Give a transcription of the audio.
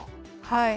はい。